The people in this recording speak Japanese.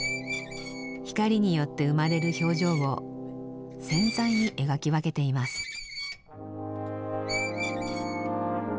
光によって生まれる表情を繊細に描き分けています。